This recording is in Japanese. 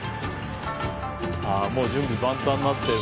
あぁもう準備万端になってる。